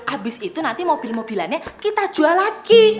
habis itu nanti mobil mobilannya kita jual lagi